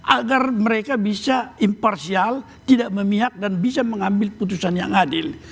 agar mereka bisa imparsial tidak memihak dan bisa mengambil putusan yang adil